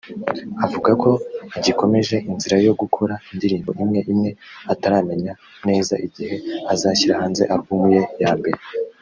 avuga ko agikomeje inzira yo gukora indirimbo imwe imwe ataramenya neza igihe azashyirira hanze album ye ya mbere